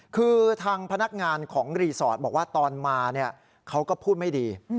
คือทางพนักงานของรีสอร์ทบอกว่าตอนมาเขาก็พูดไม่ดี